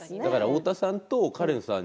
太田さんと、カレンさん